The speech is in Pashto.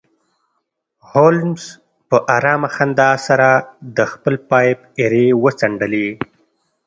هولمز په ارامه خندا سره د خپل پایپ ایرې وڅنډلې